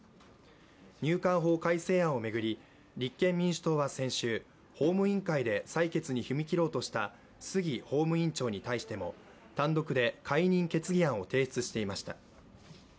入管法改正案を巡り立憲民主党は先週法務委員会で採決に踏み切ろうとした杉法務委員長に対しても単独で解任決議案を提出していました。